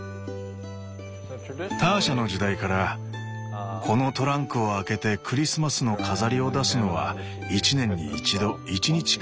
ターシャの時代から「このトランクを開けてクリスマスの飾りを出すのは一年に一度一日かぎり」